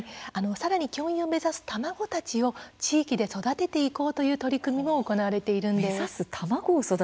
さらに教員を目指す卵たちを地域で育てていこうという取り組みも始まっています。